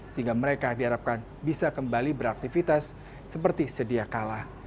sehingga mereka diharapkan bisa kembali beraktivitas seperti sedia kalah